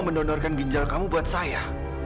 mendonorkan ginjal kamu buat saya